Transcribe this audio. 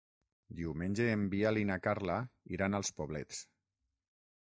Diumenge en Biel i na Carla iran als Poblets.